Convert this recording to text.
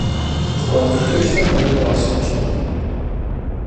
The qualification mode also changed.